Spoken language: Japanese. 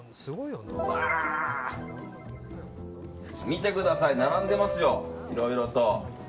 見てください、並んでますよいろいろと。